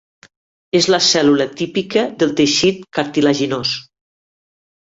És la cèl·lula típica del teixit cartilaginós.